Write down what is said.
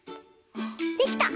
できた！